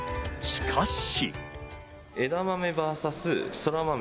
しかし。